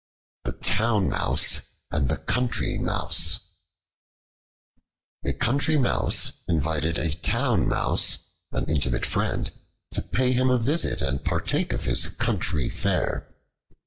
The Town Mouse and the Country Mouse A COUNTRY MOUSE invited a Town Mouse, an intimate friend, to pay him a visit and partake of his country fare.